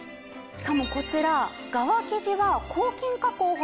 しかもこちら。